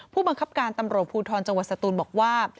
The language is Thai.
ผู้บังคับการตำรวจภูทรจังหวัดสตูนบอกว่า